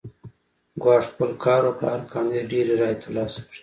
ګواښ خپل کار وکړ هر کاندید ډېرې رایې ترلاسه کړې.